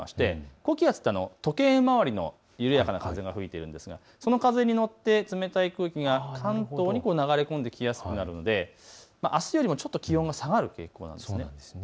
高気圧は時計回りの緩やかな風が流れていますがその風に乗って寒気が関東に流れ込みやすくなるのであすよりもちょっと気温が下がるということです。